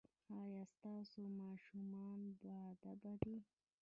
ایا ستاسو ماشومان باادبه دي؟